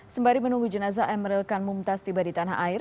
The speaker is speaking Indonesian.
sembari menunggu jenazah emeril kan mumtaz tiba di tanah air